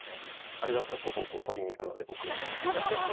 あれだったらそこを撮りに行くので僕。